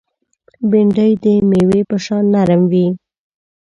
بېنډۍ د مېوې په شان نرم وي